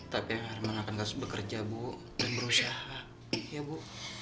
tapi memang akan terus bekerja bu dan berusaha ya bu